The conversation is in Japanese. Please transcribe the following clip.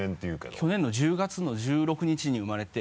去年の１０月の１６日に生まれて。